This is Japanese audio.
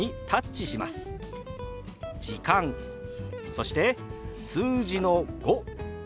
そして数字の「５」。